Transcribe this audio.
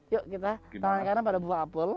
yuk kita tangan kanan pada buah apel